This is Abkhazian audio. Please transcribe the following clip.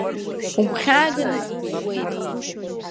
Угәхьааганы сыԥсуеит.